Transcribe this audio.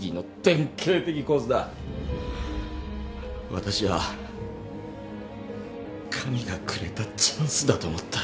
私は神がくれたチャンスだと思った